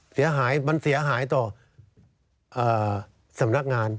เสียหายมันเสียหายต่อสำนักงาน